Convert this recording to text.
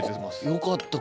よかった